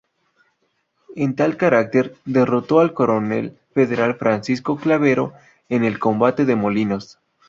En tal carácter, derrotó al coronel federal Francisco Clavero en el combate de Molinos.